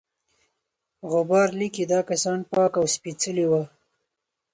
غبار لیکي دا کسان پاک او سپیڅلي وه.